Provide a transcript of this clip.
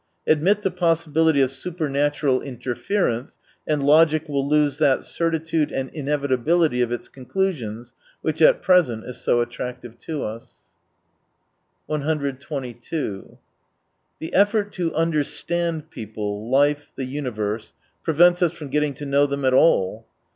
Admit the possibility of super natural interference — and logic will lose that certitude and inevitability of its conclusions which at present is so attractive to us. 122 The effort to understand people, life, the universe prevents us from getting to know them at all.